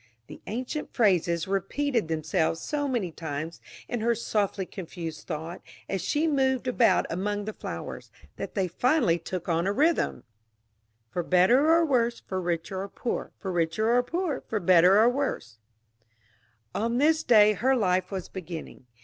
the ancient phrases repeated themselves so many times in her softly confused thought, as she moved about among the flowers, that they finally took on a rhythm "For better or worse, For richer or poorer, For richer or poorer, For better or worse "On this day her life was beginning.